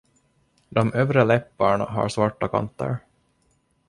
De övre läpparna har svarta kanter.